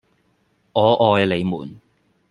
我愛你們